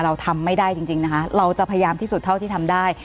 เราทำไม่ได้จริงนะคะเราจะพยายามที่สุดเท่าที่ทำได้